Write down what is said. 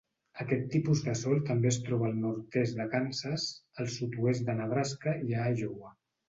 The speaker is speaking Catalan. Aquest tipus de sol també es troba al nord-est de Kansas, al sud-oest de Nebraska i a Iowa.